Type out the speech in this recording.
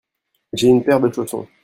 J'ai une paire de chaussons.